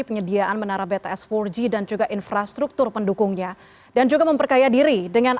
penyediaan menara bts empat g dan juga infrastruktur pendukungnya dan juga memperkaya diri dengan